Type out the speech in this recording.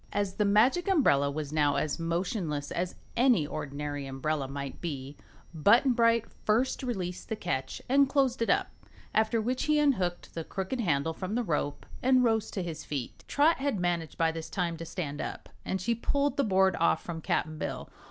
As the Magic Umbrella was now as motionless as any ordinary umbrella might be, Button Bright first released the catch and closed it up, after which he unhooked the crooked handle from the rope and rose to his feet. Trot had managed by this time to stand up and she pulled the board off from Cap'n Bill.